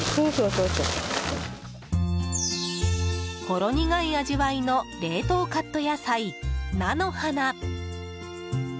ほろ苦い味わいの冷凍カット野菜、菜の花。